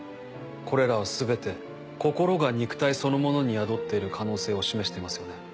これらは全て心が肉体そのものに宿っている可能性を示してますよね？